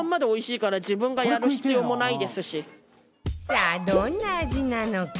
さあどんな味なのか？